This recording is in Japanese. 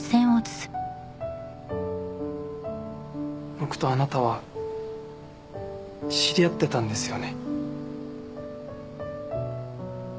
僕とあなたは知り合ってたんですよね？